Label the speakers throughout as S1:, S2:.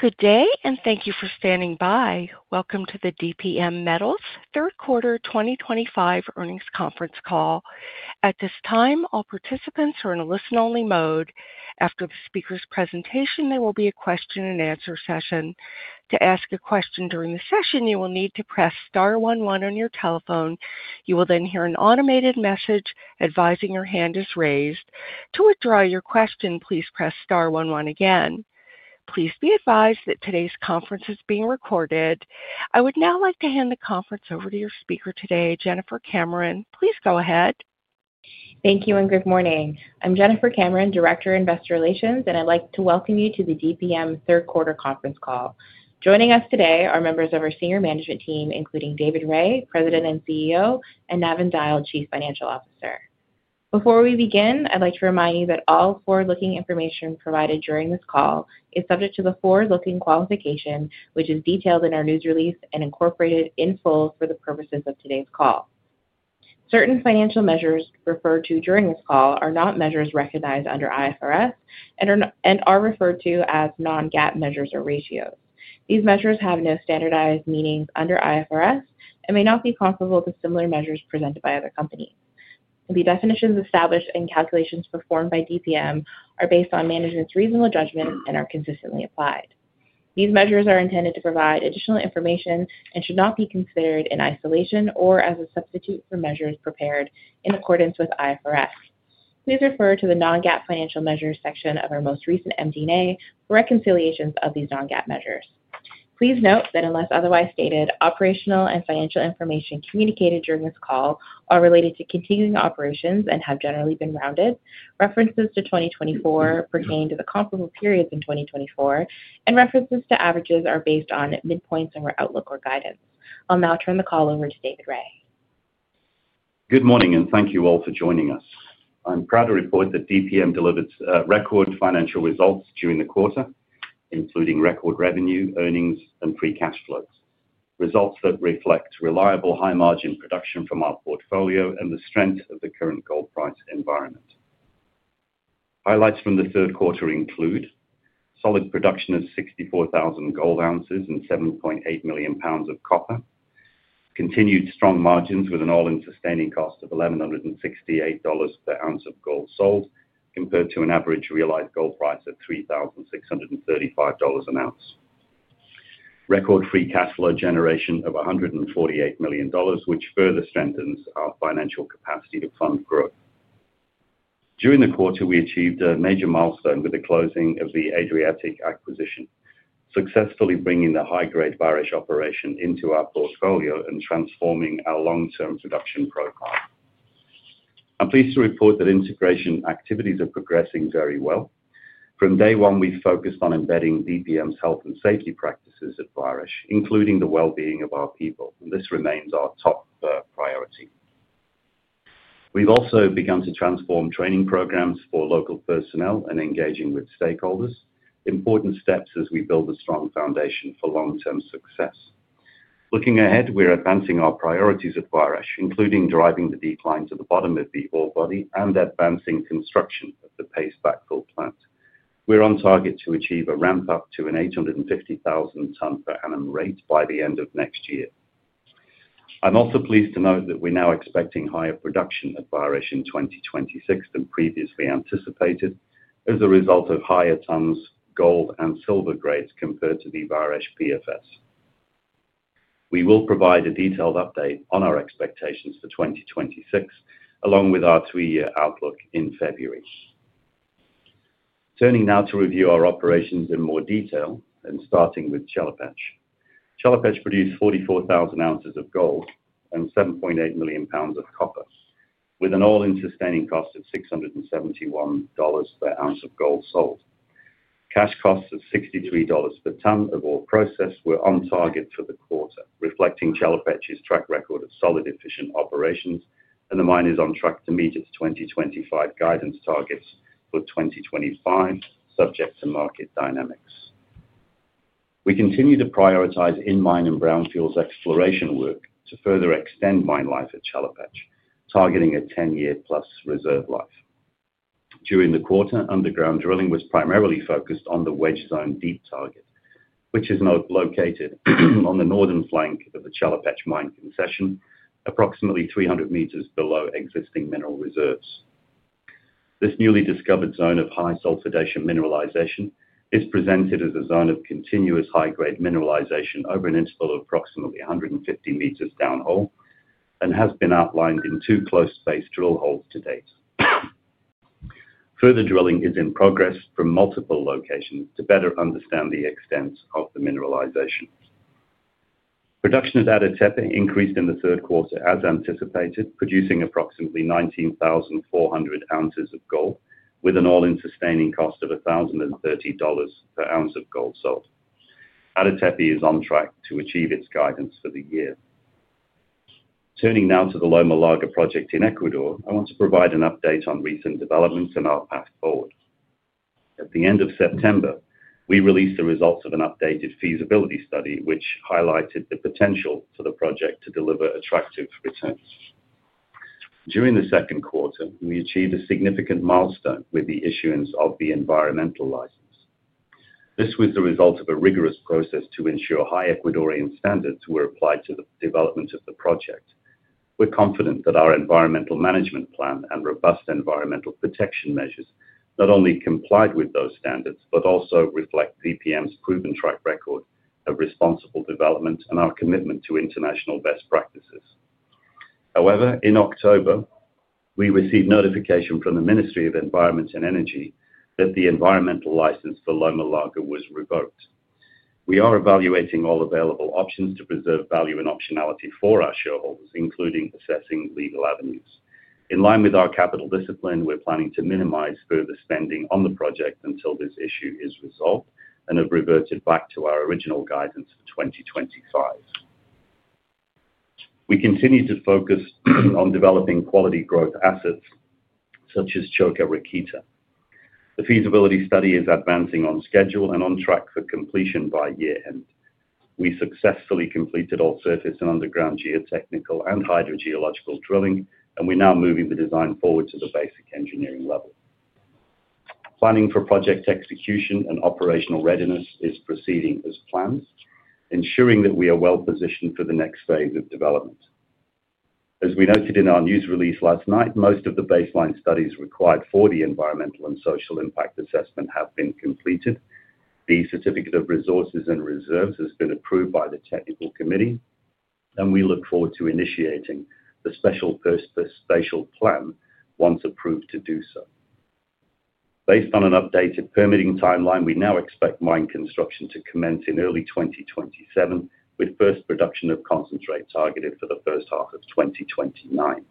S1: Good day and thank you for standing by. Welcome to the DPM Metals Third Quarter 2025 earnings conference call. At this time, all participants are in a listen-only mode. After the speaker's presentation, there will be a question-and-answer session. To ask a question during the session, you will need to press star 11 on your telephone. You will then hear an automated message advising your hand is raised. To withdraw your question, please press star 11 again. Please be advised that today's conference is being recorded. I would now like to hand the conference over to your speaker today, Jennifer Cameron. Please go ahead.
S2: Thank you, and good morning. I'm Jennifer Cameron, Director of Investor Relations, and I'd like to welcome you to the DPM Metals Third Quarter conference call. Joining us today are members of our senior management team, including David Rae, President and CEO, and Navin Dyal, Chief Financial Officer. Before we begin, I'd like to remind you that all forward-looking information provided during this call is subject to the forward-looking qualification, which is detailed in our news release and incorporated in full for the purposes of today's call. Certain financial measures referred to during this call are not measures recognized under IFRS and are referred to as non-GAAP measures or ratios. These measures have no standardized meanings under IFRS and may not be comparable to similar measures presented by other companies. The definitions established and calculations performed by DPM Metals are based on management's reasonable judgment and are consistently applied. These measures are intended to provide additional information and should not be considered in isolation or as a substitute for measures prepared in accordance with IFRS. Please refer to the non-GAAP financial measures section of our most recent MD&A for reconciliations of these non-GAAP measures. Please note that unless otherwise stated, operational and financial information communicated during this call are related to continuing operations and have generally been rounded. References to 2024 pertain to the comparable periods in 2024, and references to averages are based on midpoints and outlook or guidance. I'll now turn the call over to David Rae.
S3: Good morning and thank you all for joining us. I'm proud to report that DPM delivered record financial results during the quarter, including record revenue, earnings, and free Cash Flows. Results that reflect reliable high-margin production from our portfolio and the strength of the current gold price environment. Highlights from the third quarter include solid production of 64,000 gold ounces and 7.8 million pounds of copper, continued strong margins with an all-in sustaining cost of $1,168 per ounce of gold sold, compared to an average realized gold price of $3,635 an ounce, record free Cash Flow generation of $148 million, which further strengthens our financial capacity to fund growth. During the quarter, we achieved a major milestone with the closing of the Adriatic acquisition, successfully bringing the high-grade Barish operation into our portfolio and transforming our long-term production profile. I'm pleased to report that integration activities are progressing very well. From day one, we've focused on embedding DPM's health and safety practices at Barish, including the well-being of our people, and this remains our top priority. We've also begun to transform training programs for local personnel and engaging with stakeholders. Important steps as we build a strong foundation for long-term success. Looking ahead, we're advancing our priorities at Barish, including driving the decline to the bottom of the ore body and advancing construction of the Pasteback Full Plant. We're on target to achieve a ramp-up to an 850,000-ton per annum rate by the end of next year. I'm also pleased to note that we're now expecting higher production at Barish in 2026 than previously anticipated as a result of higher tons, gold, and silver grades compared to the Barish PFS. We will provide a detailed update on our expectations for 2026, along with our three-year outlook in February. Turning now to review our operations in more detail, and starting with Chelopech. Chelopech produced 44,000 ounces of gold and 7.8 million pounds of copper, with an all-in sustaining cost of $671 per ounce of gold sold. Cash costs of $63 per ton of ore processed were on target for the quarter, reflecting Chelopech's track record of solid, efficient operations, and the mine is on track to meet its 2025 guidance targets for 2025, subject to market dynamics. We continue to prioritize in-mine and brownfields exploration work to further extend mine life at Chelopech, targeting a 10-year-plus reserve life. During the quarter, underground drilling was primarily focused on the wedge zone deep target, which is located on the northern flank of the Chelopech mine concession, approximately 300 meters below existing mineral reserves. This newly discovered zone of high sulfidation mineralization is presented as a zone of continuous high-grade mineralization over an interval of approximately 150 meters downhole and has been outlined in two close-spaced drill holes to date. Further drilling is in progress from multiple locations to better understand the extent of the mineralization. Production at Ada Tepe increased in the third quarter as anticipated, producing approximately 19,400 ounces of gold, with an all-in sustaining cost of $1,030 per ounce of gold sold. Ada Tepe is on track to achieve its guidance for the year. Turning now to the Loma Larga project in Ecuador, I want to provide an update on recent developments and our path forward. At the end of September, we released the results of an updated feasibility study, which highlighted the potential for the project to deliver attractive returns. During the second quarter, we achieved a significant milestone with the issuance of the environmental license. This was the result of a rigorous process to ensure high Ecuadorian standards were applied to the development of the project. We're confident that our environmental management plan and robust environmental protection measures not only complied with those standards but also reflect DPM's proven track record of responsible development and our commitment to international best practices. However, in October, we received notification from the Ministry of Environment and Energy that the environmental license for Loma Larga was revoked. We are evaluating all available options to preserve value and optionality for our shareholders, including assessing legal avenues. In line with our capital discipline, we're planning to minimize further spending on the project until this issue is resolved and have reverted back to our original guidance for 2025. We continue to focus on developing quality growth assets such as Choka Rakita. The feasibility study is advancing on schedule and on track for completion by year-end. We successfully completed all surface and underground geotechnical and hydrogeological drilling, and we're now moving the design forward to the basic engineering level. Planning for project execution and operational readiness is proceeding as planned, ensuring that we are well-positioned for the next phase of development. As we noted in our news release last night, most of the baseline studies required for the environmental and social impact assessment have been completed. The certificate of resources and reserves has been approved by the technical committee, and we look forward to initiating the special first spatial plan once approved to do so. Based on an updated permitting timeline, we now expect mine construction to commence in early 2027, with first production of concentrates targeted for the first half of 2029.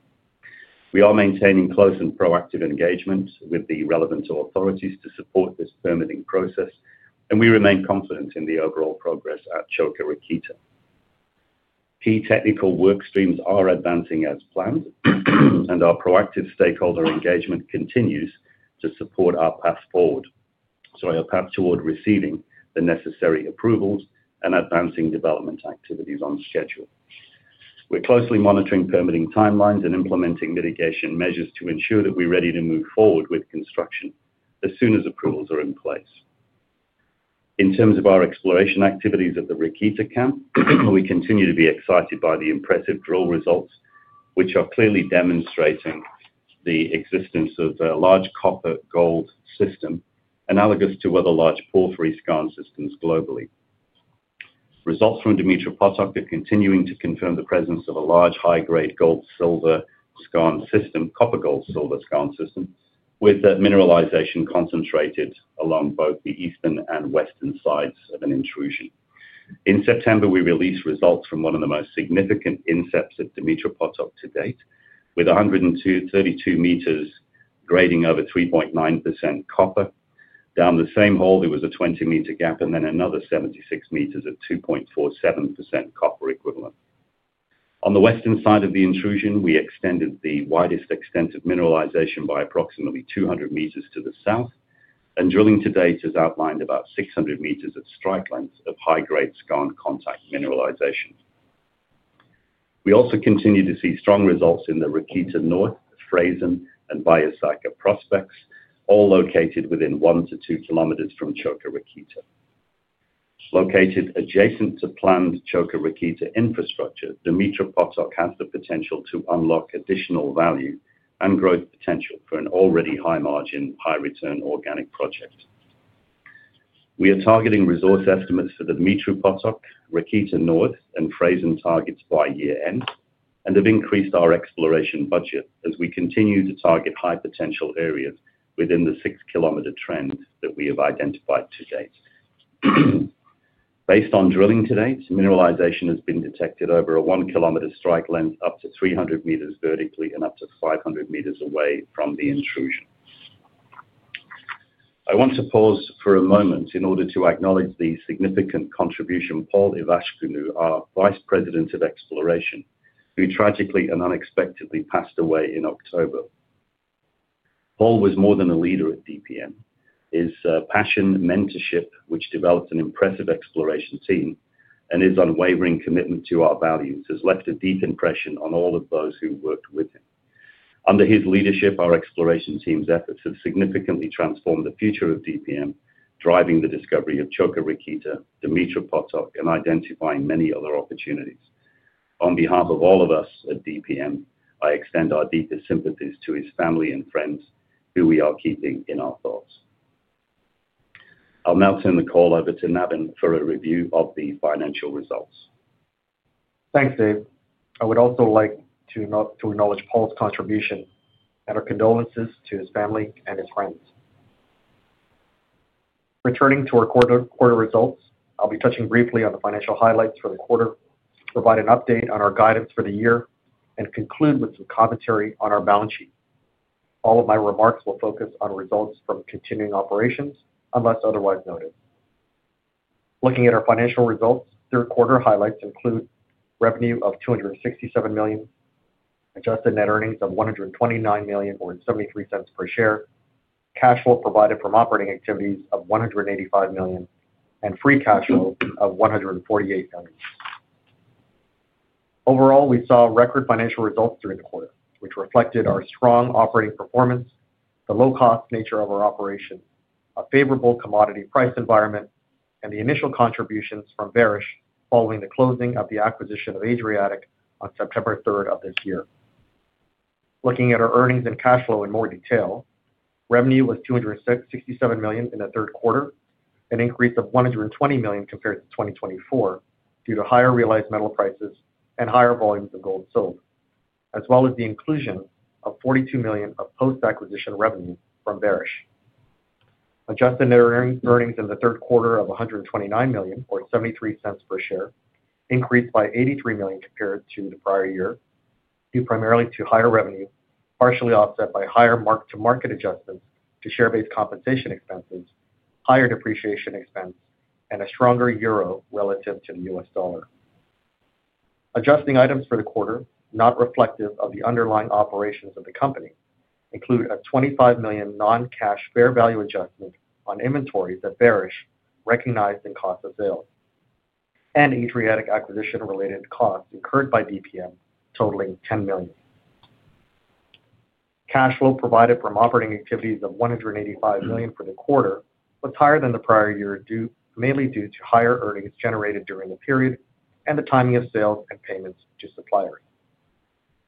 S3: We are maintaining close and proactive engagements with the relevant authorities to support this permitting process, and we remain confident in the overall progress at Choka Rakita. Key technical work streams are advancing as planned, and our proactive stakeholder engagement continues to support our path forward, sorry, our path toward receiving the necessary approvals and advancing development activities on schedule. We're closely monitoring permitting timelines and implementing mitigation measures to ensure that we're ready to move forward with construction as soon as approvals are in place. In terms of our exploration activities at the Rakita camp, we continue to be excited by the impressive drill results, which are clearly demonstrating the existence of a large copper-gold system analogous to other large porphyry skarn systems globally. Results from Dimitra Potoc are continuing to confirm the presence of a large high-grade gold-silver skarn system, copper-gold-silver skarn system, with mineralization concentrated along both the eastern and western sides of an intrusion. In September, we released results from one of the most significant intercepts at Dimitra Potoc to date, with 132 meters grading over 3.9% copper. Down the same hole, there was a 20-meter gap and then another 76 meters of 2.47% copper equivalent. On the western side of the intrusion, we extended the widest extent of mineralization by approximately 200 meters to the south, and drilling to date has outlined about 600 meters of strike length of high-grade skarn contact mineralization. We also continue to see strong results in the Rakita North, Frasen, and Vayasaka prospects, all located within 1-2 kilometers from Choka Rakita. Located adjacent to planned Choka Rakita infrastructure, Dimitra Potoc has the potential to unlock additional value and growth potential for an already high-margin, high-return organic project. We are targeting resource estimates for Dimitra Potoc, Rakita North, and Frasen targets by year-end and have increased our exploration budget as we continue to target high-potential areas within the 6-kilometer trend that we have identified to date. Based on drilling to date, mineralization has been detected over a 1-kilometer strike length up to 300 meters vertically and up to 500 meters away from the intrusion. I want to pause for a moment in order to acknowledge the significant contribution of Paul Ivascanu, our Vice President of Exploration, who tragically and unexpectedly passed away in October. Paul was more than a leader at DPM. His passion, mentorship, which developed an impressive exploration team, and his unwavering commitment to our values has left a deep impression on all of those who worked with him. Under his leadership, our exploration team's efforts have significantly transformed the future of DPM, driving the discovery of Choka Rakita, Dimitra Potoc, and identifying many other opportunities. On behalf of all of us at DPM, I extend our deepest sympathies to his family and friends, who we are keeping in our thoughts. I'll now turn the call over to Navin for a review of the financial results.
S4: Thanks, David. I would also like to acknowledge Paul's contribution and our condolences to his family and his friends. Returning to our quarter results, I'll be touching briefly on the financial highlights for the quarter, provide an update on our guidance for the year, and conclude with some commentary on our balance sheet. All of my remarks will focus on results from continuing operations unless otherwise noted. Looking at our financial results, third quarter highlights include revenue of $267 million, adjusted net earnings of $129 million or $0.73 per share, Cash Flow provided from operating activities of $185 million, and free Cash Flow of $148 million. Overall, we saw record financial results during the quarter, which reflected our strong operating performance, the low-cost nature of our operation, a favorable commodity price environment, and the initial contributions from Barish following the closing of the acquisition of Adriatic Metals on September 3rd of this year. Looking at our earnings and Cash Flow in more detail, revenue was $267 million in the third quarter, an increase of $120 million compared to 2024 due to higher realized metal prices and higher volumes of gold sold, as well as the inclusion of $42 million of post-acquisition revenue from Barish. Adjusted net earnings in the third quarter of $129 million or $0.73 per share, increased by $83 million compared to the prior year, due primarily to higher revenue, partially offset by higher mark-to-market adjustments to share-based compensation expenses, higher depreciation expense, and a stronger euro relative to the US dollar. Adjusting items for the quarter, not reflective of the underlying operations of the company, include a $25 million non-cash fair value adjustment on inventory that Barish recognized in cost of sales and Adriatic acquisition-related costs incurred by DPM, totaling $10 million. Cash Flow provided from operating activities of $185 million for the quarter was higher than the prior year, mainly due to higher earnings generated during the period and the timing of sales and payments to suppliers.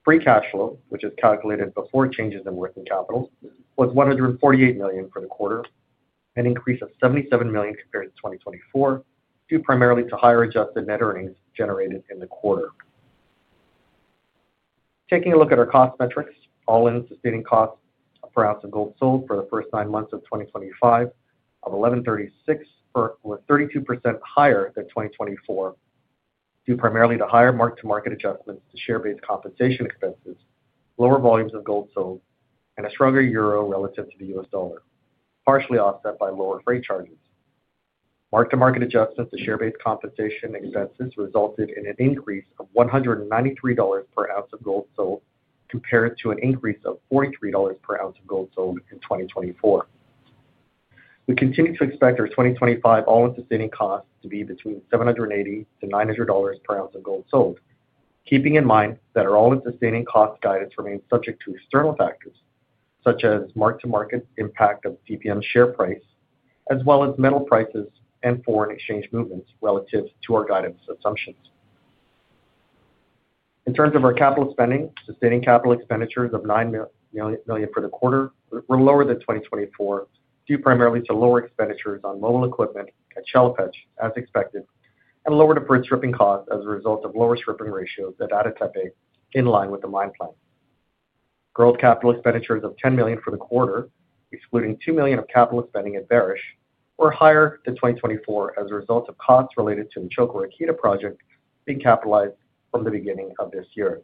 S4: Free Cash Flow, which is calculated before changes in working capital, was $148 million for the quarter, an increase of $77 million compared to 2024, due primarily to higher adjusted net earnings generated in the quarter. Taking a look at our cost metrics, all-in sustaining costs per ounce of gold sold for the first nine months of 2025 of $1,136 were 32% higher than 2024, due primarily to higher mark-to-market adjustments to share-based compensation expenses, lower volumes of gold sold, and a stronger euro relative to the US dollar, partially offset by lower freight charges. Mark-to-market adjustments to share-based compensation expenses resulted in an increase of $193 per ounce of gold sold compared to an increase of $43 per ounce of gold sold in 2024. We continue to expect our 2025 all-in sustaining costs to be between $780-$900 per ounce of gold sold, keeping in mind that our all-in sustaining cost guidance remains subject to external factors such as mark-to-market impact of DPM's share price, as well as metal prices and foreign exchange movements relative to our guidance assumptions. In terms of our capital spending, sustaining capital expenditures of $9 million for the quarter were lower than 2024, due primarily to lower expenditures on mobile equipment at Chelopech, as expected, and lower deferred stripping costs as a result of lower stripping ratios at Ada Tepe in line with the mine plan. Growth capital expenditures of $10 million for the quarter, excluding $2 million of capital spending at Barish, were higher than 2024 as a result of costs related to the Choka Rakita project being capitalized from the beginning of this year.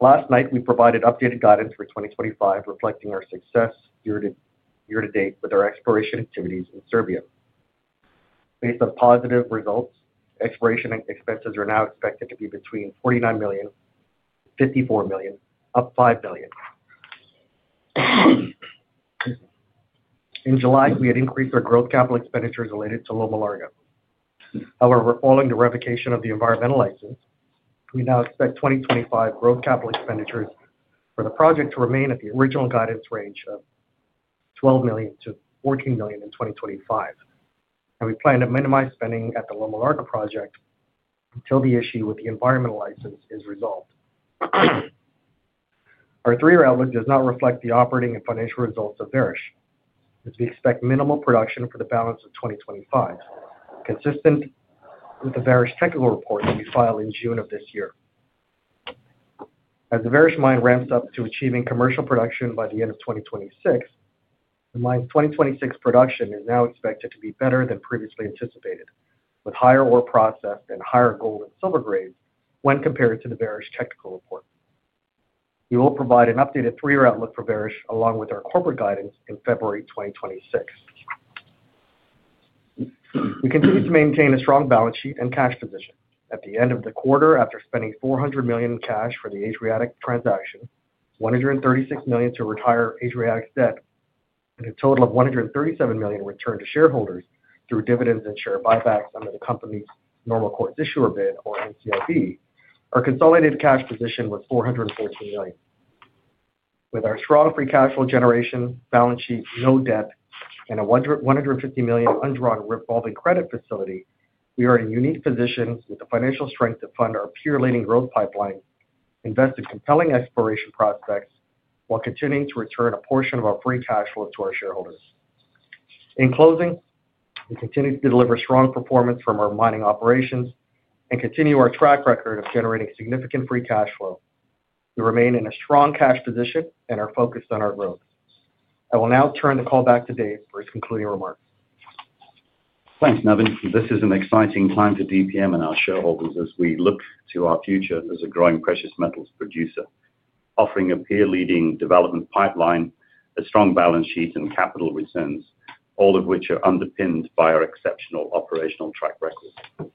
S4: Last night, we provided updated guidance for 2025, reflecting our success year-to-date with our exploration activities in Serbia. Based on positive results, exploration expenses are now expected to be between $49 million-$54 million, up $5 million. In July, we had increased our growth capital expenditures related to Loma Larga. However, following the revocation of the environmental license, we now expect 2025 growth capital expenditures for the project to remain at the original guidance range of $12 million-$14 million in 2025, and we plan to minimize spending at the Loma Larga project until the issue with the environmental license is resolved. Our three-year outlook does not reflect the operating and financial results of Barish, as we expect minimal production for the balance of 2025, consistent with the Barish technical report that we filed in June of this year. As the Barish mine ramps up to achieving commercial production by the end of 2026, the mine's 2026 production is now expected to be better than previously anticipated, with higher ore process and higher gold and silver grades when compared to the Barish technical report. We will provide an updated three-year outlook for Barish along with our corporate guidance in February 2026. We continue to maintain a strong balance sheet and cash position. At the end of the quarter, after spending $400 million in cash for the Adriatic transaction, $136 million to retire Adriatic debt, and a total of $137 million returned to shareholders through dividends and share buybacks under the company's normal course issuer bid, or NCIB, our consolidated cash position was $414 million. With our strong free Cash Flow generation, balance sheet, no debt, and a $150 million undrawn revolving credit facility, we are in unique positions with the financial strength to fund our peer-leading growth pipeline, invest in compelling exploration prospects, while continuing to return a portion of our free Cash Flow to our shareholders. In closing, we continue to deliver strong performance from our mining operations and continue our track record of generating significant free Cash Flow. We remain in a strong cash position and are focused on our growth. I will now turn the call back to David for his concluding remarks.
S3: Thanks, Navin. This is an exciting time for DPM and our shareholders as we look to our future as a growing precious metals producer, offering a peer-leading development pipeline, a strong balance sheet, and capital returns, all of which are underpinned by our exceptional operational track record.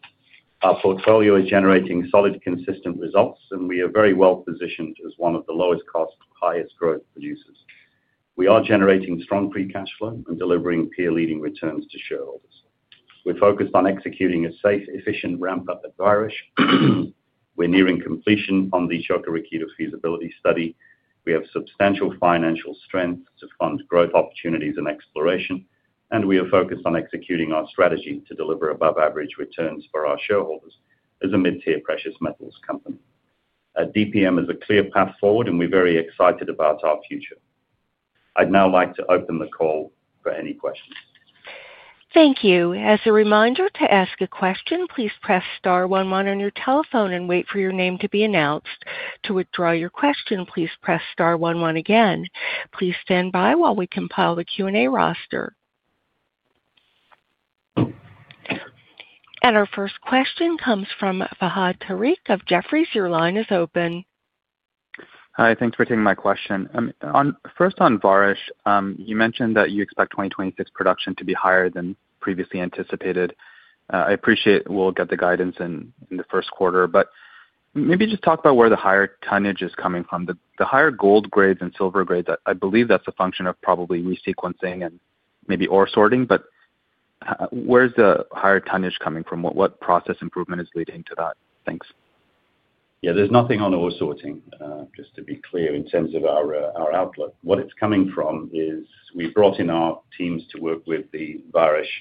S3: Our portfolio is generating solid, consistent results, and we are very well positioned as one of the lowest-cost, highest-growth producers. We are generating strong free Cash Flow and delivering peer-leading returns to shareholders. We're focused on executing a safe, efficient ramp-up at Barish. We're nearing completion on the Choka Rakita feasibility study. We have substantial financial strength to fund growth opportunities and exploration, and we are focused on executing our strategy to deliver above-average returns for our shareholders as a mid-tier precious metals company. DPM is a clear path forward, and we're very excited about our future. I'd now like to open the call for any questions.
S1: Thank you. As a reminder, to ask a question, please press star 11 on your telephone and wait for your name to be announced. To withdraw your question, please press star 11 again. Please stand by while we compile the Q&A roster. Our first question comes from Fahad Tariq of Jefferies. Your line is open.
S5: Hi. Thanks for taking my question. First, on Barish, you mentioned that you expect 2026 production to be higher than previously anticipated. I appreciate we'll get the guidance in the first quarter, but maybe just talk about where the higher tonnage is coming from. The higher gold grades and silver grades, I believe that's a function of probably resequencing and maybe ore sorting, but where's the higher tonnage coming from? What process improvement is leading to that? Thanks.
S3: Yeah, there's nothing on ore sorting, just to be clear, in terms of our outlook. What it's coming from is we've brought in our teams to work with the Barish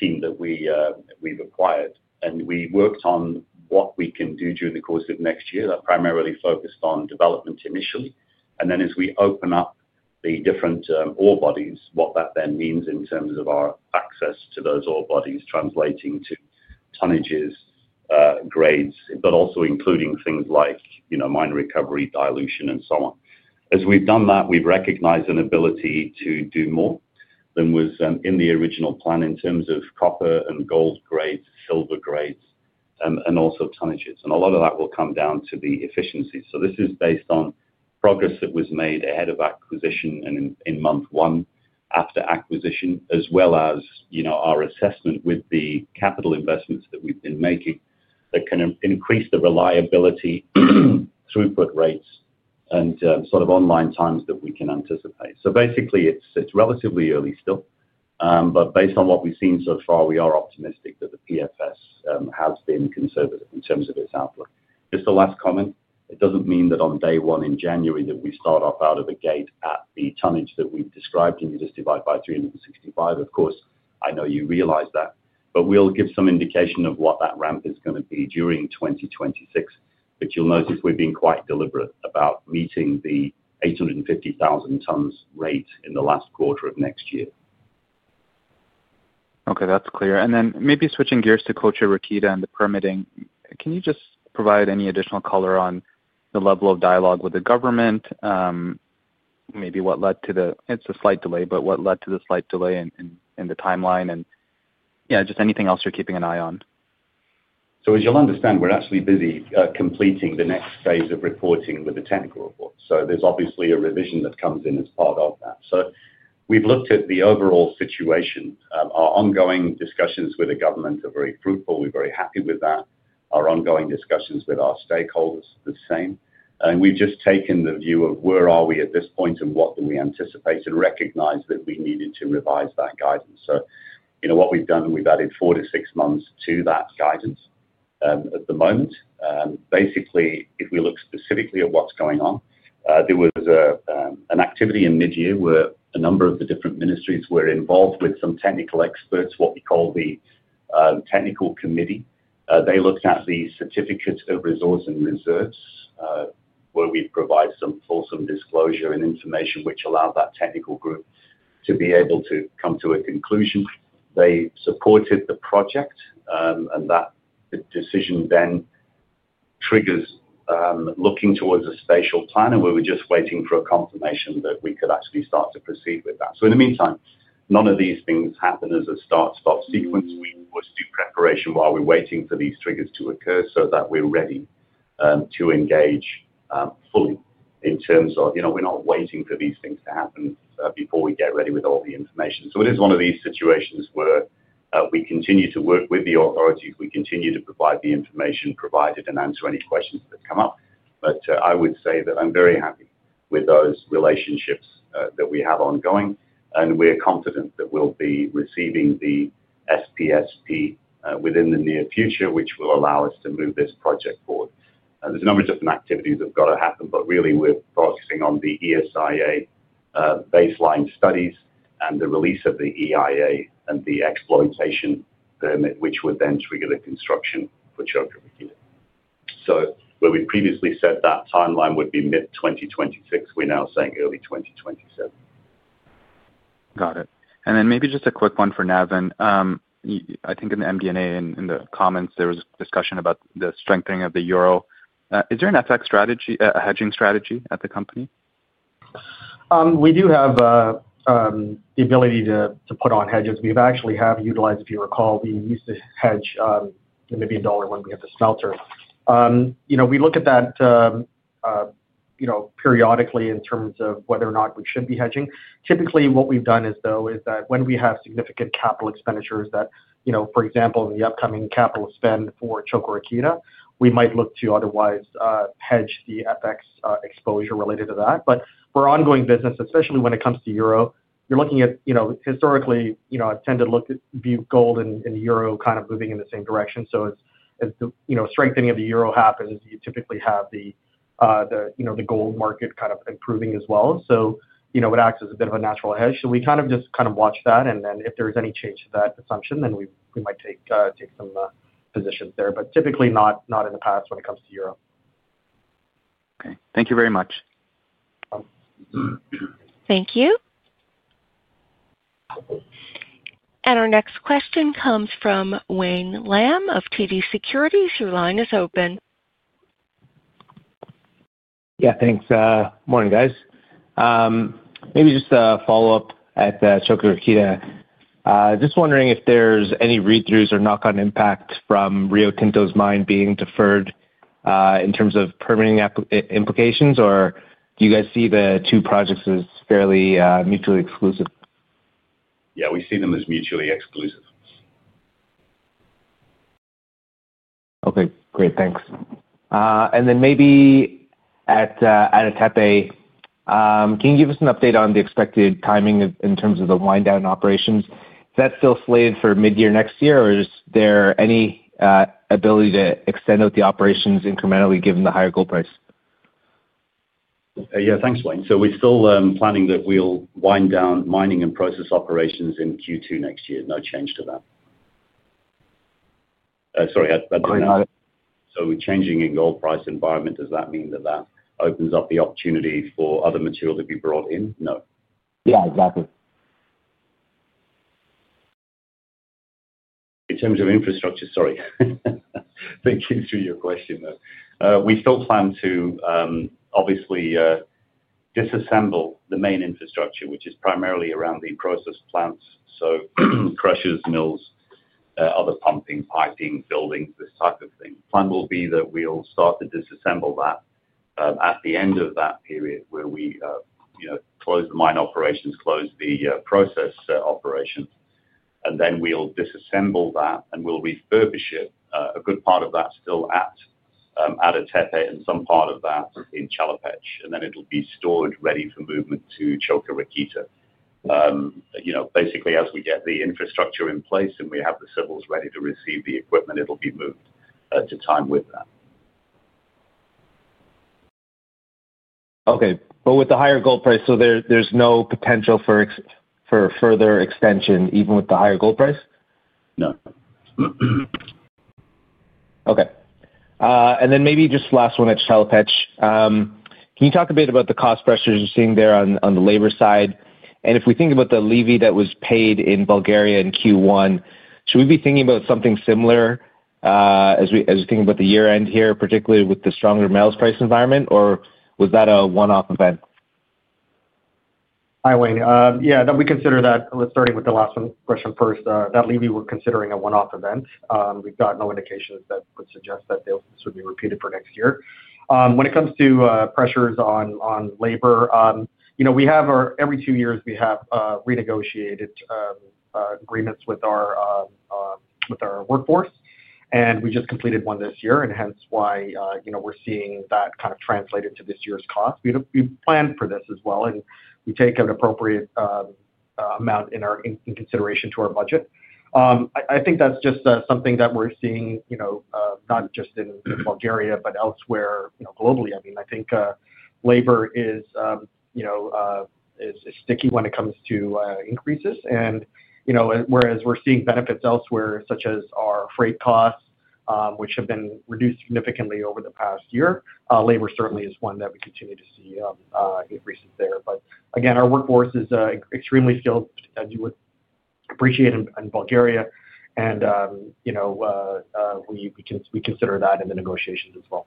S3: team that we've acquired, and we worked on what we can do during the course of next year. That primarily focused on development initially, and then as we open up the different ore bodies, what that then means in terms of our access to those ore bodies, translating to tonnages, grades, but also including things like mine recovery, dilution, and so on. As we've done that, we've recognized an ability to do more than was in the original plan in terms of copper and gold grades, silver grades, and also tonnages. A lot of that will come down to the efficiency. This is based on progress that was made ahead of acquisition and in month one after acquisition, as well as our assessment with the capital investments that we've been making that can increase the reliability, throughput rates, and sort of online times that we can anticipate. Basically, it's relatively early still, but based on what we've seen so far, we are optimistic that the PFS has been conservative in terms of its outlook. Just a last comment. It doesn't mean that on day one in January that we start off out of the gate at the tonnage that we've described, and you just divide by 365. Of course, I know you realize that, but we'll give some indication of what that ramp is going to be during 2026, but you'll notice we've been quite deliberate about meeting the 850,000 tons rate in the last quarter of next year.
S5: Okay, that's clear. Maybe switching gears to Choka Rakita and the permitting, can you just provide any additional color on the level of dialogue with the government? Maybe what led to the—it's a slight delay—but what led to the slight delay in the timeline? Yeah, just anything else you're keeping an eye on.
S3: As you'll understand, we're actually busy completing the next phase of reporting with the technical report. There's obviously a revision that comes in as part of that. We've looked at the overall situation. Our ongoing discussions with the government are very fruitful. We're very happy with that. Our ongoing discussions with our stakeholders are the same. We've just taken the view of where are we at this point and what do we anticipate and recognize that we needed to revise that guidance. What we've done, we've added four- to six months to that guidance at the moment. Basically, if we look specifically at what's going on, there was an activity in mid-year where a number of the different ministries were involved with some technical experts, what we call the technical committee. They looked at the certificate of resource and reserves, where we provide some fulsome disclosure and information, which allowed that technical group to be able to come to a conclusion. They supported the project, and that decision then triggers looking towards a spatial plan, and we were just waiting for a confirmation that we could actually start to proceed with that. In the meantime, none of these things happen as a start-stop sequence. We must do preparation while we're waiting for these triggers to occur so that we're ready to engage fully in terms of we're not waiting for these things to happen before we get ready with all the information. It is one of these situations where we continue to work with the authorities. We continue to provide the information provided and answer any questions that come up. I would say that I'm very happy with those relationships that we have ongoing, and we're confident that we'll be receiving the SPSP within the near future, which will allow us to move this project forward. There's a number of different activities that have got to happen, but really we're focusing on the ESIA baseline studies and the release of the EIA and the exploitation permit, which would then trigger the construction for Choka Rakita. Where we previously said that timeline would be mid-2026, we're now saying early 2027.
S5: Got it. Maybe just a quick one for Navin. I think in the MD&A and in the comments, there was a discussion about the strengthening of the euro. Is there an FX strategy, a hedging strategy at the company?
S4: We do have the ability to put on hedges. We've actually utilized, if you recall, we used to hedge maybe a dollar when we had the smelter. We look at that periodically in terms of whether or not we should be hedging. Typically, what we've done is, though, is that when we have significant capital expenditures that, for example, in the upcoming capital spend for Choka Rakita, we might look to otherwise hedge the FX exposure related to that. For ongoing business, especially when it comes to euro, you're looking at historically, I've tended to look at gold and euro kind of moving in the same direction. As the strengthening of the euro happens, you typically have the gold market kind of improving as well. It acts as a bit of a natural hedge. We kind of just watch that, and then if there's any change to that assumption, then we might take some positions there, but typically not in the past when it comes to euro.
S5: Okay. Thank you very much.
S1: Thank you. Our next question comes from Wayne Lam of TD Securities. Your line is open.
S6: Yeah, thanks. Morning, guys. Maybe just a follow-up at Choka Rakita. Just wondering if there's any read-throughs or knock-on impact from Rio Tinto's mine being deferred in terms of permitting implications, or do you guys see the two projects as fairly mutually exclusive?
S3: Yeah, we see them as mutually exclusive.
S6: Okay, great. Thanks. Maybe at Ada Tepe, can you give us an update on the expected timing in terms of the wind-down operations? Is that still slated for mid-year next year, or is there any ability to extend out the operations incrementally given the higher gold price?
S3: Yeah, thanks, Wayne. We're still planning that we'll wind down mining and process operations in Q2 next year. No change to that. Sorry, I didn't hear.
S6: Sorry.
S3: Changing in gold price environment, does that mean that that opens up the opportunity for other material to be brought in? No.
S6: Yeah, exactly.
S3: In terms of infrastructure, sorry. Thank you for your question, though. We still plan to obviously disassemble the main infrastructure, which is primarily around the process plants, so crushers, mills, other pumping, piping, buildings, this type of thing. The plan will be that we'll start to disassemble that at the end of that period where we close the mine operations, close the process operations, and then we'll disassemble that and we'll refurbish it. A good part of that's still at Ada Tepe and some part of that in Chelopech, and then it'll be stored ready for movement to Choka Rakita. Basically, as we get the infrastructure in place and we have the civils ready to receive the equipment, it'll be moved to time with that.
S6: Okay, but with the higher gold price, there's no potential for further extension even with the higher gold price?
S3: No.
S6: Okay. And then maybe just last one at Chelopech. Can you talk a bit about the cost pressures you're seeing there on the labor side? If we think about the levy that was paid in Bulgaria in Q1, should we be thinking about something similar as we think about the year-end here, particularly with the stronger metals price environment, or was that a one-off event?
S4: Hi, Wayne. Yeah, we consider that, starting with the last question first, that levy we're considering a one-off event. We've got no indications that would suggest that this would be repeated for next year. When it comes to pressures on labor, we have our every two years, we have renegotiated agreements with our workforce, and we just completed one this year, and hence why we're seeing that kind of translated to this year's cost. We plan for this as well, and we take an appropriate amount in consideration to our budget. I think that's just something that we're seeing not just in Bulgaria, but elsewhere globally. I mean, I think labor is sticky when it comes to increases, and whereas we're seeing benefits elsewhere, such as our freight costs, which have been reduced significantly over the past year, labor certainly is one that we continue to see increases there. Our workforce is extremely skilled, as you would appreciate, in Bulgaria, and we consider that in the negotiations as well.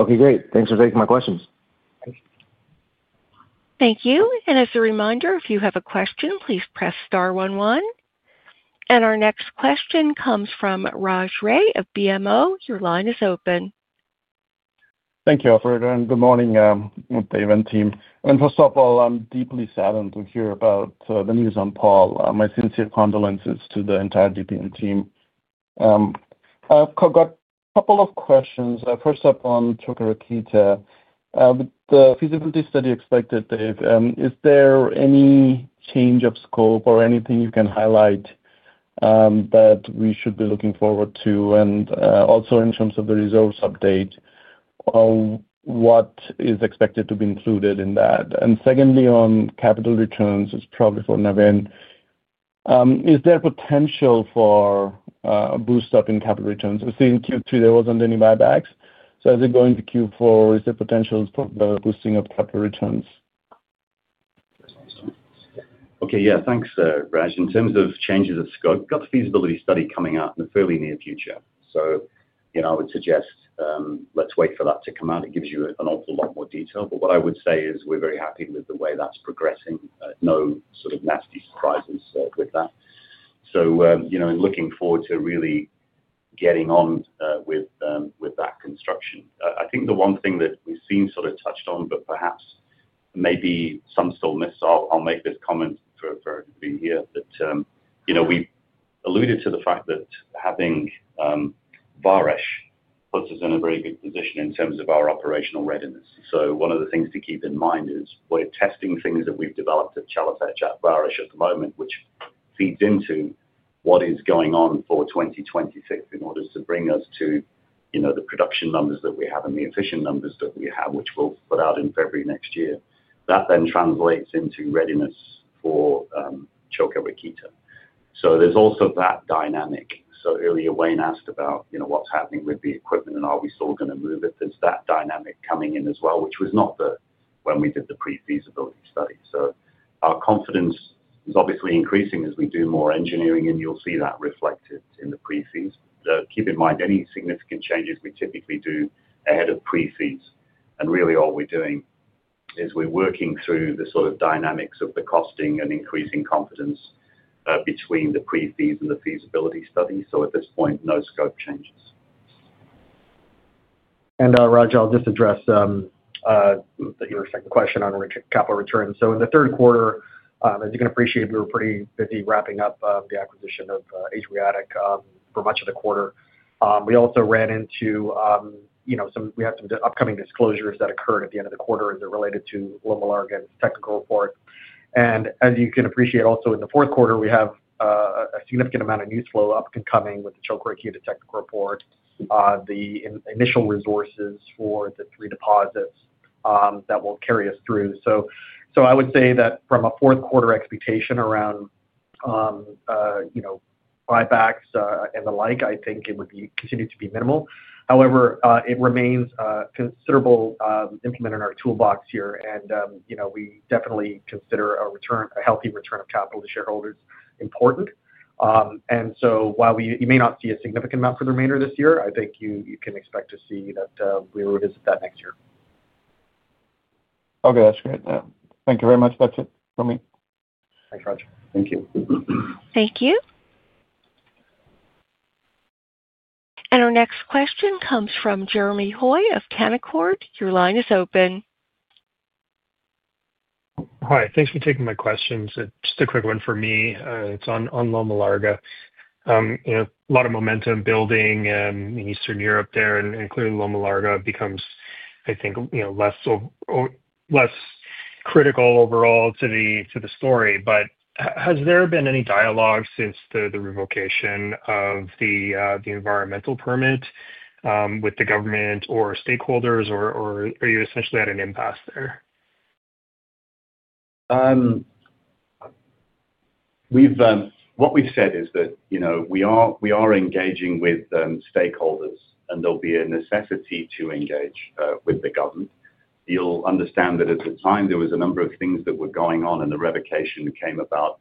S6: Okay, great. Thanks for taking my questions.
S1: Thank you. As a reminder, if you have a question, please press star 11. Our next question comes from Raj Ray of BMO. Your line is open.
S7: Thank you, Alfred, and good morning with the event team. First of all, I'm deeply saddened to hear about the news on Paul. My sincere condolences to the entire DPM team. I've got a couple of questions. First up on Choka Rakita, with the feasibility study expected, Dave, is there any change of scope or anything you can highlight that we should be looking forward to? Also, in terms of the resource update, what is expected to be included in that? Secondly, on capital returns, it's probably for Navin, is there potential for a boost up in capital returns? I see in Q3 there wasn't any buybacks. As they go into Q4, is there potential for the boosting of capital returns?
S3: Okay, yeah, thanks, Raj. In terms of changes of scope, we've got the feasibility study coming out in the fairly near future. I would suggest let's wait for that to come out. It gives you an awful lot more detail. What I would say is we're very happy with the way that's progressing. No sort of nasty surprises with that. I'm looking forward to really getting on with that construction. I think the one thing that we've seen sort of touched on, but perhaps maybe some still missed, I'll make this comment for everybody here, that we alluded to the fact that having Vares puts us in a very good position in terms of our operational readiness. One of the things to keep in mind is we're testing things that we've developed at Chelopech, at Vares at the moment, which feeds into what is going on for 2026 in order to bring us to the production numbers that we have and the efficient numbers that we have, which we'll put out in February next year. That then translates into readiness for Choka Rakita. There's also that dynamic. Earlier, Wayne asked about what's happening with the equipment and are we still going to move it. There's that dynamic coming in as well, which was not there when we did the pre-feasibility study. Our confidence is obviously increasing as we do more engineering, and you'll see that reflected in the pre-fees. Keep in mind, any significant changes we typically do ahead of pre-feas, and really all we're doing is we're working through the sort of dynamics of the costing and increasing confidence between the pre-feas and the feasibility study. At this point, no scope changes.
S4: Raj, I'll just address your second question on capital returns. In the third quarter, as you can appreciate, we were pretty busy wrapping up the acquisition of Adriatic Metals for much of the quarter. We also ran into some upcoming disclosures that occurred at the end of the quarter as it related to Loma Larga's technical report. As you can appreciate, also in the fourth quarter, we have a significant amount of news flow up and coming with the Choka Rakita technical report, the initial resources for the three deposits that will carry us through. I would say that from a fourth quarter expectation around buybacks and the like, I think it would continue to be minimal. However, it remains considerable implementing our toolbox here, and we definitely consider a healthy return of capital to shareholders important. While you may not see a significant amount for the remainder of this year, I think you can expect to see that we revisit that next year.
S7: Okay, that's great. Thank you very much. That's it from me.
S4: Thanks, Raj.
S3: Thank you.
S1: Thank you. Our next question comes from Jeremy Hoy of Canaccord. Your line is open.
S8: Hi, thanks for taking my questions. Just a quick one for me. It's on Loma Larga. A lot of momentum building in Eastern Europe there, and clearly Loma Larga becomes, I think, less critical overall to the story. Has there been any dialogue since the revocation of the environmental permit with the government or stakeholders, or are you essentially at an impasse there?
S3: What we've said is that we are engaging with stakeholders, and there'll be a necessity to engage with the government. You'll understand that at the time, there was a number of things that were going on, and the revocation came about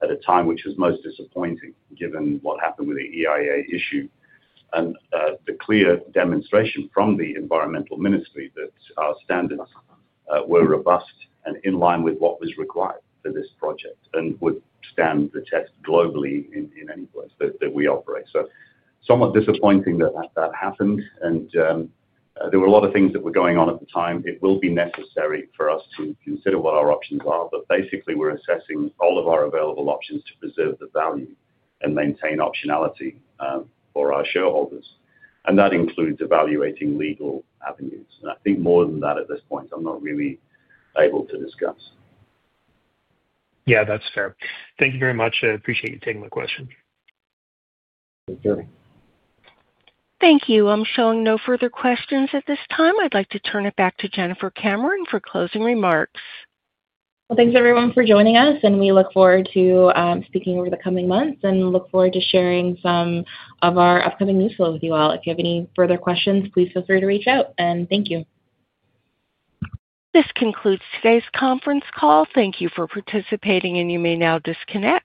S3: at a time which was most disappointing given what happened with the EIA issue. The clear demonstration from the Environmental Ministry that our standards were robust and in line with what was required for this project and would stand the test globally in any place that we operate. Somewhat disappointing that that happened, and there were a lot of things that were going on at the time. It will be necessary for us to consider what our options are, but basically, we're assessing all of our available options to preserve the value and maintain optionality for our shareholders. That includes evaluating legal avenues. I think more than that at this point, I'm not really able to discuss.
S8: Yeah, that's fair. Thank you very much. I appreciate you taking the question.
S4: Thank you, Jeremy.
S1: Thank you. I'm showing no further questions at this time. I'd like to turn it back to Jennifer Cameron for closing remarks.
S2: Thanks everyone for joining us, and we look forward to speaking over the coming months and look forward to sharing some of our upcoming news flow with you all. If you have any further questions, please feel free to reach out, and thank you.
S1: This concludes today's conference call. Thank you for participating, and you may now disconnect.